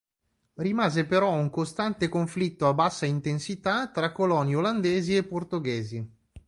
Rimase però un costante conflitto a bassa intensità tra coloni olandesi e portoghesi.